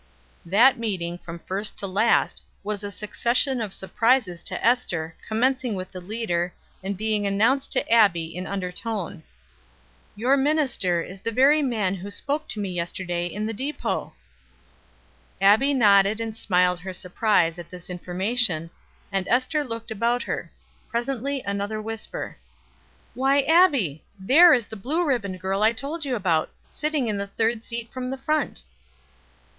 That meeting, from first to last, was a succession of surprises to Ester, commencing with the leader, and being announced to Abbie in undertone: "Your minister is the very man who spoke to me yesterday in the depot." Abbie nodded and smiled her surprise at this information; and Ester looked about her. Presently another whisper: "Why, Abbie, there is the blue ribboned girl I told you about, sitting in the third seat from the front."